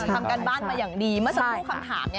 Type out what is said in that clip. ทำการบ้านมาอย่างดีเมื่อสักครู่คำถาม